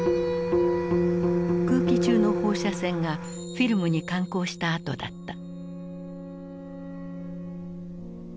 空気中の放射線がフィルムに感光した跡だった。